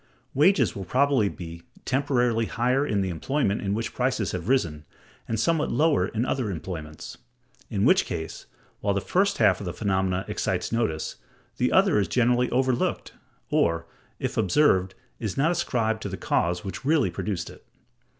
Wages will probably be temporarily higher in the employment in which prices have risen, and somewhat lower in other employments: in which case, while the first half of the phenomenon excites notice, the other is generally overlooked, or, if observed, is not ascribed to the cause which really produced it.